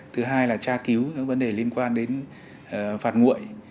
thứ hai là tra cứu các vấn đề liên quan đến phạt nguội